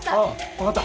分かった。